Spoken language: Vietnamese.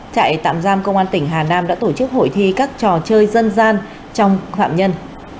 trại tạm giam công an tỉnh hà nam đã tổ chức hội thi các trò chơi dân gian trong phạm nhân